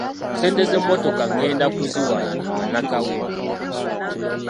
Ssente z’emmotoka ngenda kuziwa bannakawempe.